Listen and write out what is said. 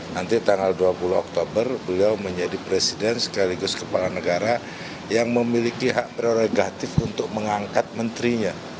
nanti tanggal dua puluh oktober beliau menjadi presiden sekaligus kepala negara yang memiliki hak prerogatif untuk mengangkat menterinya